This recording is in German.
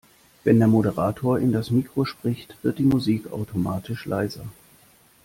Wenn der Moderator in das Mikro spricht, wird die Musik automatisch leiser.